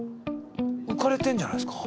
浮かれてるんじゃないですか？